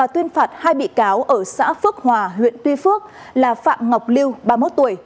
tuyên phạt hai bị cáo ở xã phước hòa huyện tuy phước là phạm ngọc lưu ba mươi một tuổi